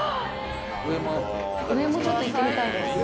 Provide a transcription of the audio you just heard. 上もちょっと行ってみたいです。